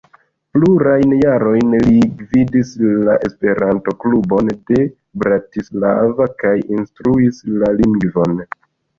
Plurajn jarojn li gvidis la Esperanto-klubon de Bratislava kaj instruis la lingvon.